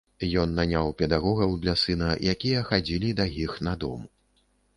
Ён наняў педагогаў для сына, якія хадзілі да іх на дом.